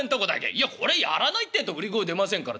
「いやこれやらないってえと売り声出ませんから。